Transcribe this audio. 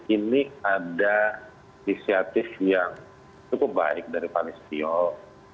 ini ada disiatif yang cukup baik dari pak misty oh